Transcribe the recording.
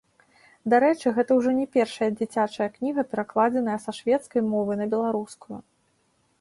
Дарэчы, гэта ўжо не першая дзіцячая кніга, перакладзеная са шведскай мовы на беларускую.